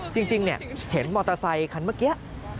จริงเห็นมอเตอร์ไซคันเมื่อกี้